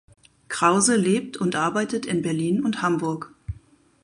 Krause lebt und arbeitet in Berlin und Hamburg.